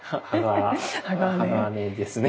鋼ですね。